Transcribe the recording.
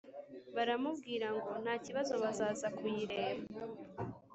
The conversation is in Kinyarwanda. baramubwira ngo ntakibazo bazaza kuyireba